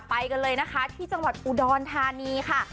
ไปกันเลยนะคะที่จังหวัดอุดรธานีค่ะ